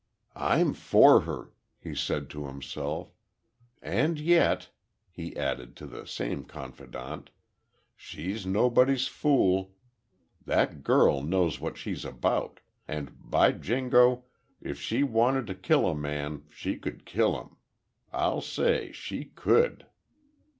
"I'm for her," he said to himself, "and yet," he added, to the same confidant, "she's nobody's fool! That girl knows what she's about—and by jingo, if she wanted to kill a man, she could kill him! I'll say she could!"